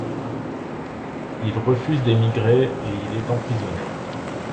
Il refuse d'émigrer et il est emprisonné.